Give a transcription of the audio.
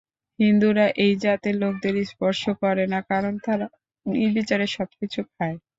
হিন্দুরা এই জাতের লোকদের স্পর্শ করে না, কারণ তারা নির্বিচারে সব কিছু খায়।